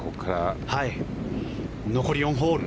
残り４ホール。